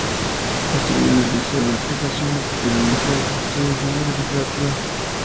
Estudió en el Liceo de Aplicación y posteriormente realizó estudios libres de Literatura.